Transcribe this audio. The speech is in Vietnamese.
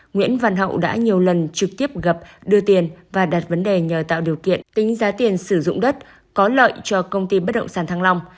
nguyễn văn hậu đã nhiều lần trực tiếp gặp đưa tiền và đặt vấn đề nhờ tạo điều kiện tính giá tiền sử dụng đất có lợi cho công ty bất động sản thăng long